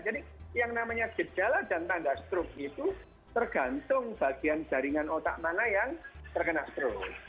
jadi yang namanya gejala dan tanda struk itu tergantung bagian jaringan otak mana yang terkena struk